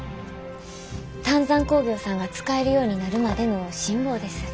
丹山工業さんが使えるようになるまでの辛抱です。